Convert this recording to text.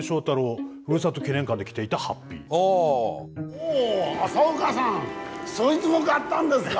おお朝岡さんそいづも買ったんですか。